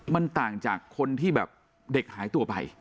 มันต่างจากคนที่แบบเด็กหายตัวไป